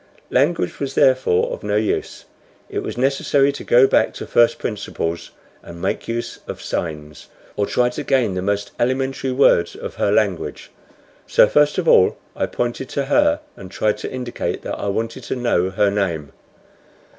Language was, therefore, of no use. It was necessary to go back to first principles and make use of signs, or try to gain the most elementary words of her language; so first of all I pointed to her, and tried to indicate that I wanted to know her name.